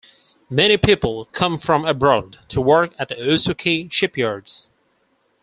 Many people come from abroad to work at Usuki shipyards.